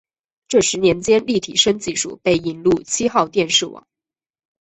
这十年间立体声技术被引入七号电视网。